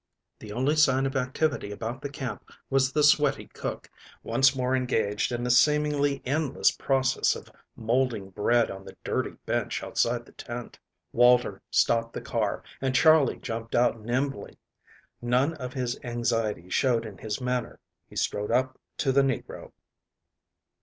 The only sign of activity about the camp was the sweaty cook, once more engaged in the seemingly endless process of molding bread on the dirty bench outside the tent. Walter stopped the car, and Charley jumped out nimbly. None of his anxiety showed in his manner. He strode up to the negro.